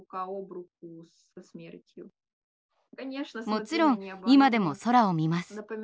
もちろん今でも空を見ます。